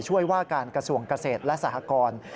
ช่วยว่าการกระทรวงเกษตรและสหกร